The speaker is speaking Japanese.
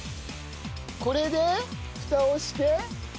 これでフタをして？